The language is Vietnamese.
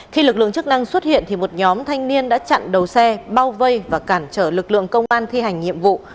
khi lực lượng chức năng xuất hiện một nhóm thanh niên đã chặn đầu xe bao vây và cản trở lực lượng công an thi hành nhiệm vụ